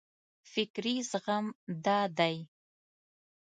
فکري زغم دا دی.